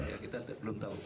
kita belum tahu